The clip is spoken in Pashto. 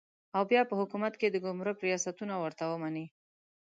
او بیا په حکومت کې د ګمرک ریاستونه ورته ومني.